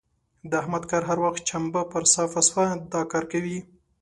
د احمد که هر وخت چمبه پر صافه سوه؛ دا کار کوي.